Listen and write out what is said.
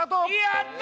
やった！